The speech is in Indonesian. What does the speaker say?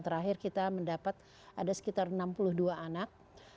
terakhir kita mendapat ada sekitar enam puluh dua anak